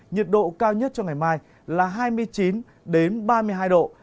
nhiệt độ cao nhất cho ngày mai là hai mươi chín ba mươi hai độ